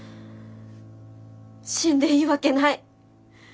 死んでいいわけない。